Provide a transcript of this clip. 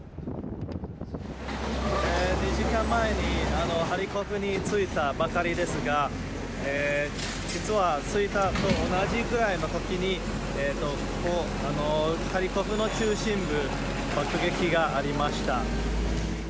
２時間前にハリコフに着いたばかりですが、実は着いたと同じぐらいのときに、ハリコフの中心部に爆撃がありました。